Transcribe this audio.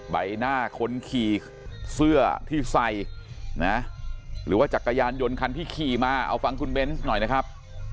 ใบหน้าคนขี่เสื้อที่ใส่นะหรือว่าจักรยานยนต์คันที่ขี่มาเอาฟังคุณเบนส์หน่อยนะครับ